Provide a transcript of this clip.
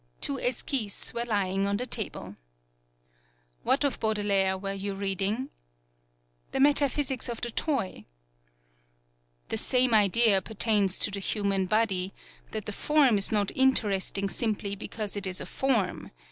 Two esquisses were lying on the table. "What of Baudelaire were you read ing?" " 'The Metaphysics of the Toy.' " "The same idea pertains to the human body, that the form is not interesting simply because it is a form.